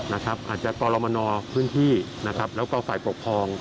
อาจจะกรมนพื้นที่และไฟปกครอง